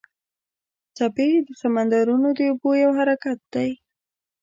څپې د سمندرونو د اوبو یو حرکت دی.